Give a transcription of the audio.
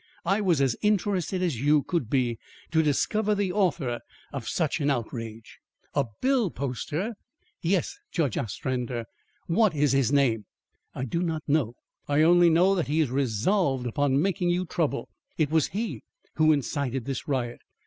I was as interested as you could be to discover the author of such an outrage." "A bill poster?" "Yes, Judge Ostrander." "What is his name?" "I do not know. I only know that he is resolved upon making you trouble. It was he who incited this riot.